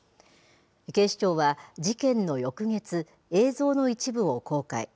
警視庁は事件の翌月、映像の一部を公開。